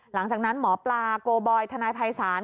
หลังจากนั้นหมอปลาโกบอยทนายภัยศาล